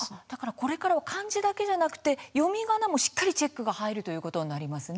これからは漢字だけではなくて読みがなもチェックが入るということですね。